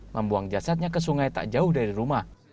membuang jasadnya ke sungai tak jauh dari rumah